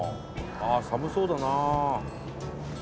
ああ寒そうだな。